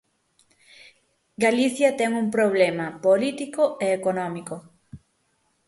Galicia ten un problema político e económico.